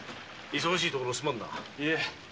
忙しいところすまぬな。